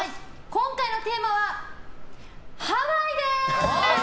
今回のテーマは「ハワイ」です！